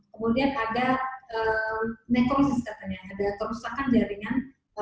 kemudian ada nekosis katanya ada kerusakan jaringan